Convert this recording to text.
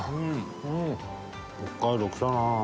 北海道来たな。